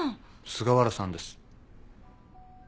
菅原さんです。